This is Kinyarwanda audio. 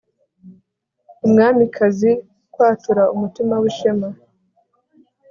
Umwamikazi kwatura umutima wishema